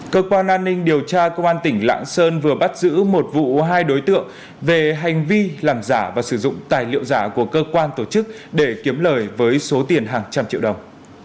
cơ quan an ninh điều tra công an tỉnh lạng sơn vừa bắt giữ một vụ hai đối tượng về hành vi làm giả và sử dụng tài liệu giả của cơ quan tổ chức để kiếm lời với số tiền hàng trăm triệu đồng